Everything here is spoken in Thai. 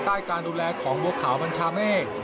ใต้การดูแลของบัวขาวบัญชาเมฆ